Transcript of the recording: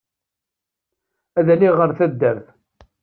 Ad aliɣ ɣer taddart.